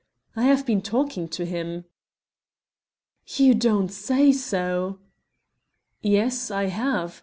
"I have been talking to him." "You don't say so!" "Yes, I have.